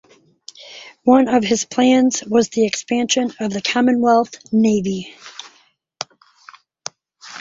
One of his plans was the expansion of the Commonwealth Navy.